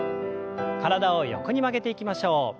体を横に曲げていきましょう。